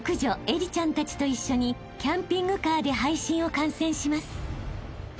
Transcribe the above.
英里ちゃんたちと一緒にキャンピングカーで配信を観戦します］